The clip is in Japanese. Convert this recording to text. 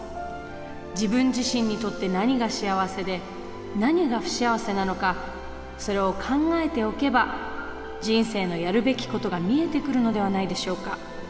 自分自身にとって何が幸せで何が不幸せなのかそれを考えておけば人生のやるべきことが見えてくるのではないでしょうか。